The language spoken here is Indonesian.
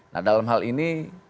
nah dalam hal ini